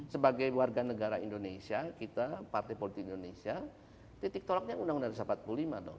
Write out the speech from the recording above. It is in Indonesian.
sebagai warga negara indonesia kita partai politik indonesia titik tolaknya undang undang seribu sembilan ratus empat puluh lima dong